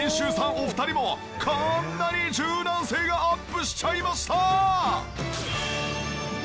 お二人もこーんなに柔軟性がアップしちゃいました！